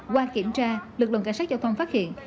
qua kiểm tra lực lượng cảnh sát giao thông phát hiện